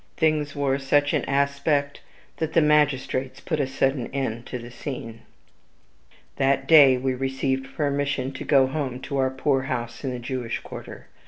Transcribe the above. Things wore such an aspect that the magistrates put a sudden end to the scene. "That day we received permission to go home to our poor house in the Jewish quarter.